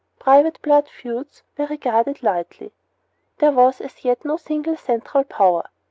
Private blood feuds were regarded lightly. There was as yet no single central power.